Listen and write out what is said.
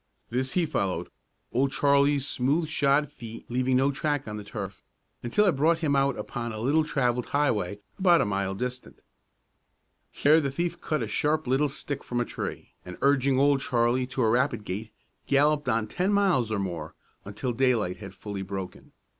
This he followed Old Charlie's smooth shod feet leaving no track on the turf until it brought him out upon a little travelled highway about a mile distant. Here the thief cut a sharp little stick from a tree, and urging Old Charlie to a rapid gait, galloped on ten miles or more, until daylight had fully broken.